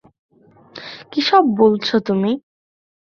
কীসব বলছো তুমি?